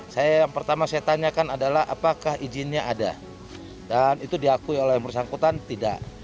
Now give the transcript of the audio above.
saya yang pertama saya tanyakan adalah apakah izinnya ada dan itu diakui oleh yang bersangkutan tidak